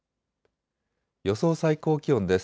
予想最高気温です。